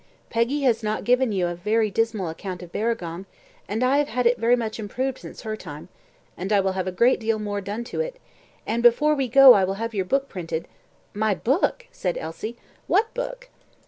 Peggy has not given you a very dismal account of Barragong, and I have had it very much improved since her time, and I will have a great deal more done to it; and before we go I will have your book printed " "My book," said Elsie; "what book?"